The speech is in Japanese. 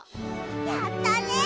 やったね！